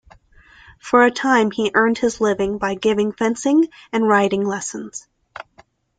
For a time he earned his living by giving fencing and riding lessons.